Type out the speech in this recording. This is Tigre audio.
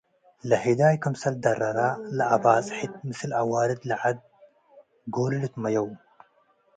ለህዳይ ክምሰል ትደረረ፡ ለአባጽሕት ምስል አዋልድ ለዐድ ጎሉ ልትመየው ።